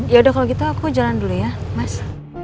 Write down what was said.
ya udah kalau gitu aku jalan dulu ya mas